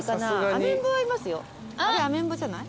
あれアメンボじゃない？